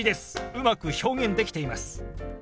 うまく表現できています。